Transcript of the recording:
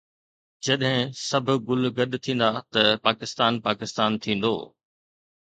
جڏهن سڀ گل گڏ ٿيندا ته پاڪستان پاڪستان ٿيندو